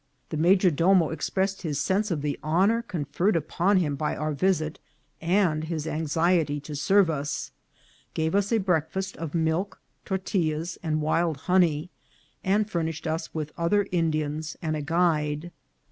The major domo expressed his sense of the honour conferred upon him by our visit, and his anxiety to serve us, gave us a breakfast of milk, tortillas, and wild honey, and furnished us with other Indians and a guide.